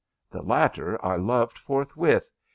The latter I loved forthwith.